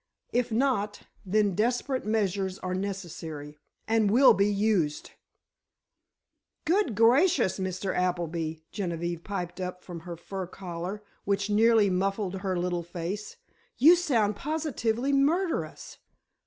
If not, then desperate measures are necessary—and will be used!" "Good gracious, Mr. Appleby!" Genevieve piped up from her fur collar which nearly muffled her little face. "You sound positively murderous!"